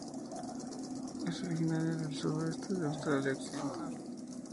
Es originaria del sudeste de Australia Occidental.